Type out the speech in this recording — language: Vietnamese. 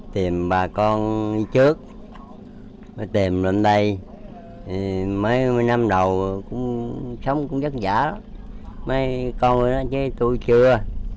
tìm bà con đi trước mới tìm lên đây mấy năm đầu sống cũng rất giả lắm mấy con rồi đó chứ tui chưa